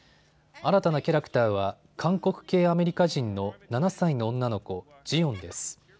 新たなキャラクターは韓国系アメリカ人の７歳の女の子、ジヨンです。